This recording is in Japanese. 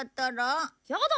やだ！